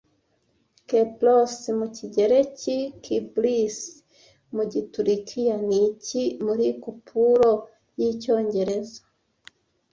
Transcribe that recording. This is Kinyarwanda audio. Kipros mu kigereki Kibris mu giturukiya ni iki muri Kupuro y'icyongereza